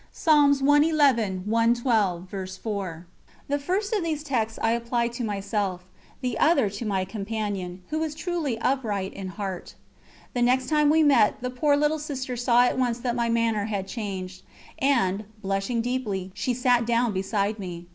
" The first of these texts I apply to myself, the other to my companion, who was truly upright in heart. The next time we met, the poor little Sister saw at once that my manner had changed, and, blushing deeply, she sat down beside me.